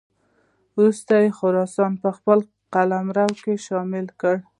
وروسته یې خراسان په خپل قلمرو کې شامل کړ.